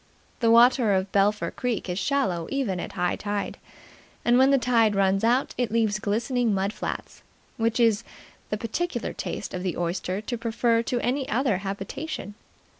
The water of Belpher Creek is shallow even at high tide, and when the tide runs out it leaves glistening mud flats, which it is the peculiar taste of the oyster to prefer to any other habitation.